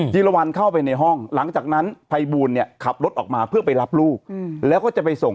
จีรวรรณเข้าไปในห้องหลังจากนั้นภัยบูลเนี่ยขับรถออกมาเพื่อไปรับลูกแล้วก็จะไปส่ง